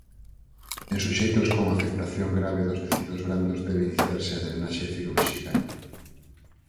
En suxeitos con afectación grave dos tecidos brandos debe iniciarse a drenaxe cirúrxica.